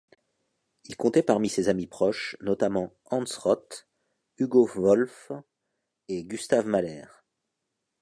Il comptait parmi ses amis proches, notamment Hans Rott, Hugo Wolf et Gustav Mahler.